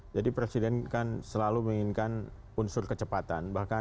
jadi presiden kan selalu menginginkan unsur kecepatan